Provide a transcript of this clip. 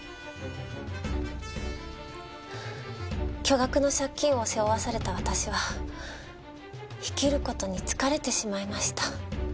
巨額の借金を背負わされた私は生きる事に疲れてしまいました。